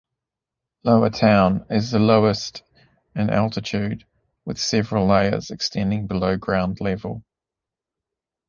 Lower Town is the lowest in altitude, with several layers extending below ground level.